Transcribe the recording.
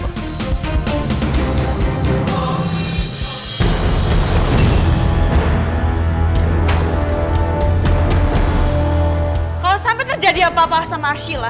kalau sampai terjadi apa apa sama arshila